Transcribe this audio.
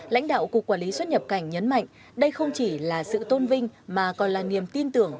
lãnh đạo cục quản lý xuất nhập cảnh nhấn mạnh đây không chỉ là sự tôn vinh mà còn là niềm tin tưởng